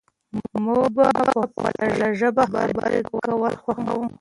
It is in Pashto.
موږ په خپله ژبه خبرې کول خوښوو.